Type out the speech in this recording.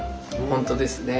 本当ですね。